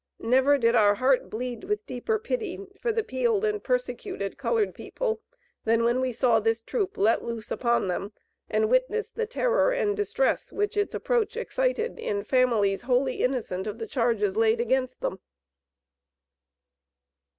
Never did our heart bleed with deeper pity for the peeled and persecuted colored people, than when we saw this troop let loose upon them, and witnessed the terror and distress which its approach excited in families, wholly innocent of the charges laid against them."